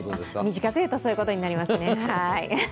短く言うとそういうことになりますね。